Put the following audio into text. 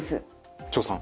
張さん